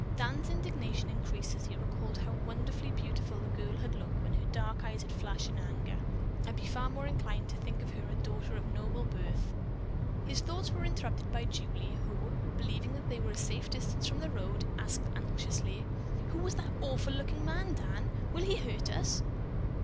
Dan's indignation increased as he recalled how wonderfully beautiful the girl had looked when her dark eyes had flashed in anger. "I'd be far more inclined to think her a daughter of noble birth." His thoughts were interrupted by Julie, who, believing that they were a safe distance from the road, asked anxiously, "Who was the awful looking man, Dan? Will he hurt us?"